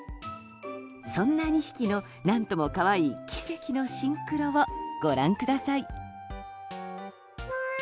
そんな２匹の何とも可愛い奇跡のシンクロをご覧ください。